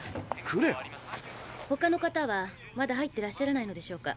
クレア⁉ほかの方はまだ入ってらっしゃらないのでしょうか。